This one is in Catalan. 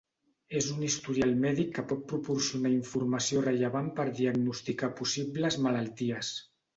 És un historial mèdic que pot proporcionar informació rellevant per diagnosticar possibles malalties.